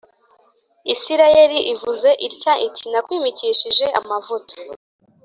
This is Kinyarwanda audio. Isirayeli ivuze itya iti Nakwimikishije amavuta